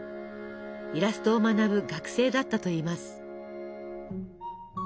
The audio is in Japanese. イラストを学ぶ学生だったといいます。